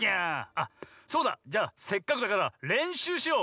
あそうだ！じゃあせっかくだかられんしゅうしよう。